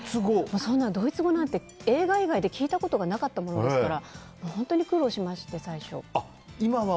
ドイツ語なんて映画以外で聞いたことがなかったものですから本当に苦労しまして、最初。